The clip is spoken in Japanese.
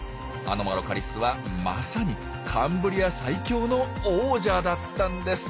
アノマロカリスはまさにカンブリア最強の王者だったんです。